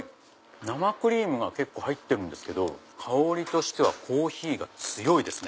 生クリームが結構入ってるけど香りはコーヒーが強いですね。